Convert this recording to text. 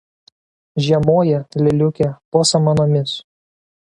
Žiemoja lėliukė po samanomis.